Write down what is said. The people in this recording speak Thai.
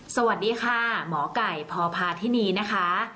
สวัสดีค่ะหมอไก่พพาธินีนะคะ